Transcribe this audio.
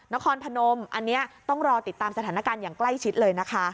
นครพนมอันนี้ต้องรอติดตามสถานการณ์อย่างใกล้ชิดเลยนะคะ